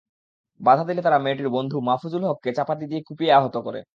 বাধা দিলে তারা মেয়েটির বন্ধু মাহফুজুল হককে চাপাতি দিয়ে কুপিয়ে আহত করে।